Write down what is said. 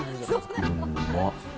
うまっ。